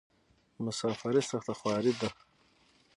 مسافري سخته خواری ده.